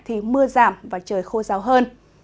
thì mưa giảm và trời khô rào hơn